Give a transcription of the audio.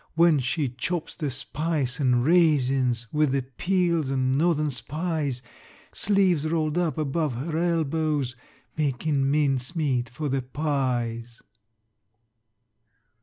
When she chops the spice an' raisins, With the peels an' Northern Spies, Sleeves rolled up above her elbows, Makin' mincemeat for the pies.